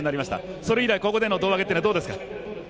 それ以来、ここでの胴上げというのはどうですか？